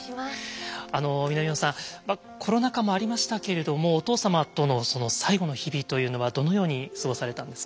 南野さんコロナ禍もありましたけれどもお父様との最後の日々というのはどのように過ごされたんですか？